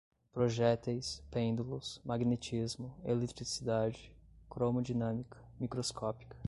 projéteis, pêndulos, magnetismo, eletricidade, cromodinâmica, microscópica